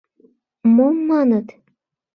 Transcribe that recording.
Мом маныт?